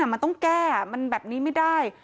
มันต้องแก้มันแบบนี้ไม่ได้